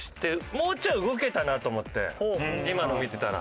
もうちょい動けたなと思って今の見てたら。